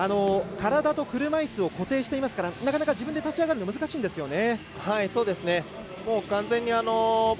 体と車いすを固定していますからなかなか、自分で立ち上がるのが難しいんですよね。